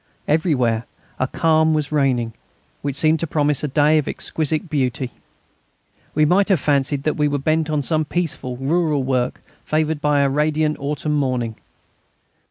Everywhere a calm was reigning, which seemed to promise a day of exquisite beauty. We might have fancied that we were bent on some peaceful rural work favoured by a radiant autumn morning.